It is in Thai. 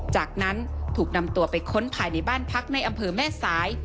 จากนั้นถูกนำตัวไปค้นภายในบ้านพักในอำเภอแม่สาย